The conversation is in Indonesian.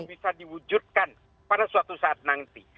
bisa diwujudkan pada suatu saat nanti